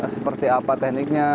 seperti apa tekniknya